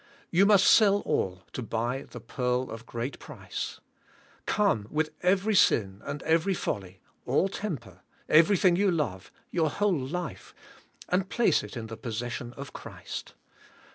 You must sell all to buy the pearl of great price. Come with every sin and every folly, all temper, everything you love, your whole life, and place it in the possession of Christ.